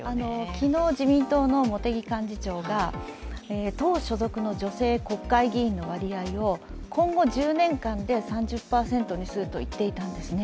昨日、自民党の茂木幹事長が党所属の女性国会議員の割合を今後３０年間で３０％にするといっていたんですね。